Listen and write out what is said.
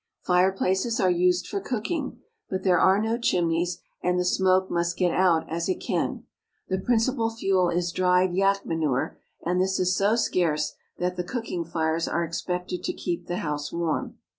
Fireplaces are used for cooking, but there are no chimneys, and the smoke must get out as it can. The principal fuel is dried yak manure ; and this is so scarce that the cooking fires are expected to keep the house warm.